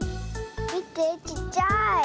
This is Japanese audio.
みてちっちゃい。